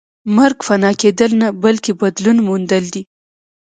مرګ فنا کېدل نه بلکې بدلون موندل دي